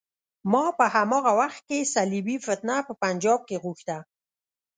ما په هماغه وخت کې صلیبي فتنه په پنجاب کې غوښته.